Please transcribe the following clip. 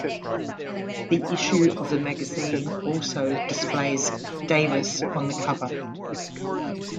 This issue of the magazine also displays Davis on the cover.